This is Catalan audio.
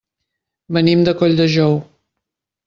Venim de Colldejou.